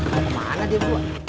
mau kemana dia mpok